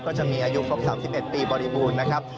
ก็จะมีอายุครบ๓๑ปีบริบูรณ์นะครับ